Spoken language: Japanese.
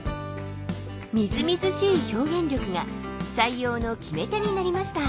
みずみずしい表現力が採用の決め手になりました。